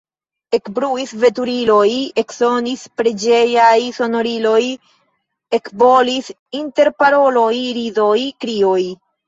Ekbruis veturiloj, eksonis preĝejaj sonoriloj, ekbolis interparoloj, ridoj, krioj.